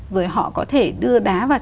rồi họ có thể đưa đá vào